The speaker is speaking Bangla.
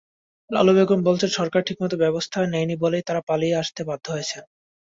লালু বেগম বলছেন, সরকার ঠিকমতো ব্যবস্থা নেয়নি বলেই তাঁরা পালিয়ে আসতে বাধ্য হয়েছেন।